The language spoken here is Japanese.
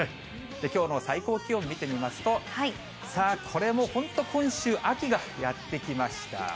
きょうの最高気温見てみますと、さあ、これも本当、今週、秋がやって来ました。